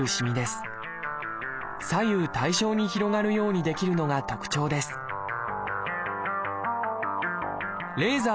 左右対称に広がるように出来るのが特徴です